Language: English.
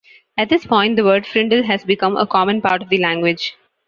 At this point, the word "frindle" has become a common part of the language.